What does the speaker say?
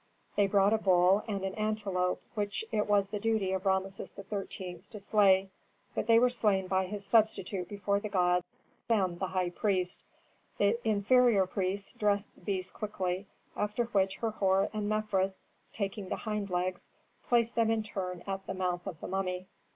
They brought a bull and an antelope which it was the duty of Rameses XIII. to slay, but they were slain by his substitute before the gods, Sem, the high priest. The inferior priests dressed the beasts quickly, after which Herhor and Mefres, taking the hind legs, placed them in turn at the mouth of the mummy.